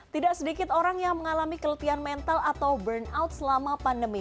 tidak sedikit orang yang mengalami keletihan mental atau burnout selama pandemi